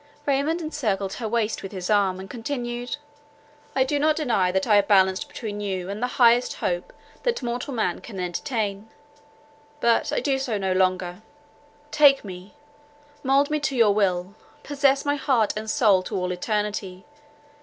Raymond encircled her waist with his arm, and continued, "I do not deny that I have balanced between you and the highest hope that mortal men can entertain; but I do so no longer. Take me—mould me to your will, possess my heart and soul to all eternity.